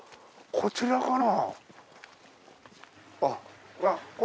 こちらかな？